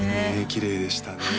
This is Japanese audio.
きれいでしたね